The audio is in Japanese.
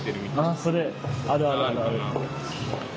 ああそれあるあるあるある。